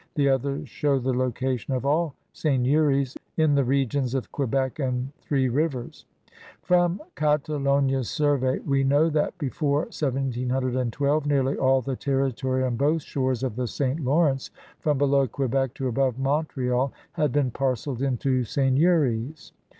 The others show the location of all seigneuries in the r^ons of Quebec and Three Rivers. From Catalogue's survey we know that before 1712 nearly all the territory on both shores of the St. Lawrence from below Quebec to above Mont real had been parceled into seigneuries.